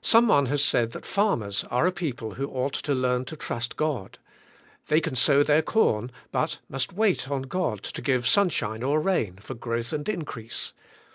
Some one has said that farm ers are a people who ought to learn to trust God. The}' can sow their corn but they must wait on God to give sunshine or rain for growth and increase.